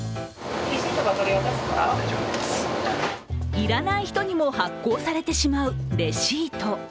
要らない人にも発行されてしまうレシート。